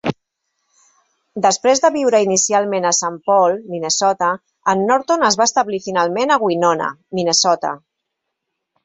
Després de viure inicialment a Saint Paul, Minnesota, en Norton es va establir finalment a Winona, Minnesota.